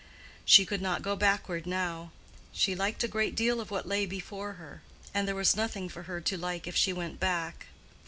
She could not go backward now; she liked a great deal of what lay before her; and there was nothing for her to like if she went back.